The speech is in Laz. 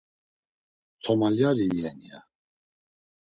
Tomalyari iyen, ya.